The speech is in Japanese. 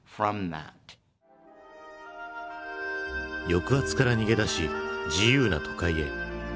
抑圧から逃げ出し自由な都会へ。